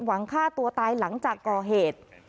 หวังฆ่าตัวตายหลังจากก่อเหตุ